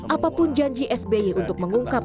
apapun janji sby untuk mengungkap